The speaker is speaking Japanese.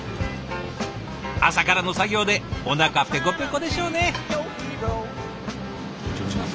朝からの作業でおなかペコペコでしょうね！